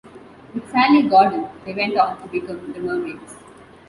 With Sally Gordon, they went on to become The Murmaids.